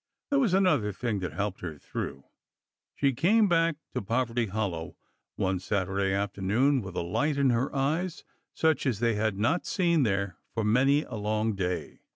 There was another thing that helped her through. She came back to Poverty Hollow one Saturday afternoon with a light in her eyes such as they had not seen there for many a long day.